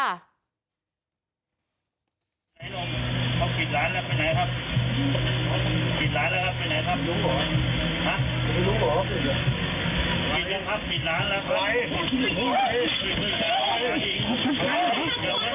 ได้โน้มเขากิดร้านแล้วไปไหนครับ